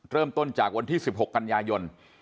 เริ่มต้นจากวันที่๑๖กันยายน